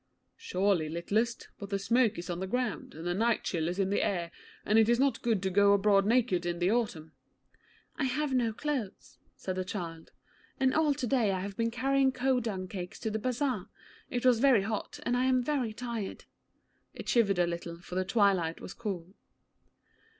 'Surely, littlest; but the smoke is on the ground, and the night chill is in the air, and it is not good to go abroad naked in the autumn.' 'I have no clothes,' said the child, 'and all to day I have been carrying cow dung cakes to the bazar. It was very hot, and I am very tired.' It shivered a little, for the twilight was cool.